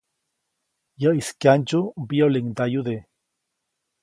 Yäʼis kyandsyu mbiyoliŋdayude.